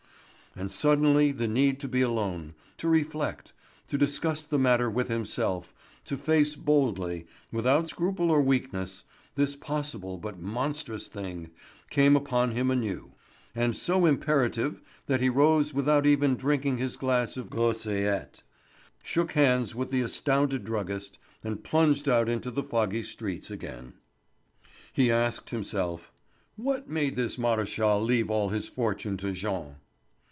And suddenly the need to be alone, to reflect, to discuss the matter with himself—to face boldly, without scruple or weakness, this possible but monstrous thing—came upon him anew, and so imperative that he rose without even drinking his glass of Groseillette, shook hands with the astounded druggist, and plunged out into the foggy streets again. He asked himself: "What made this Maréchal leave all his fortune to Jean?"